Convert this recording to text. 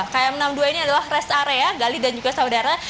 km enam puluh dua ini adalah rest area gali dan juga saudara